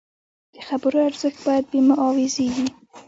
د خبرو ارزښت باید بې معاوضې نه وي.